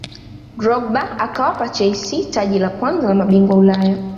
drogba akawapa chelsea taji la kwanza la mabingwa ulaya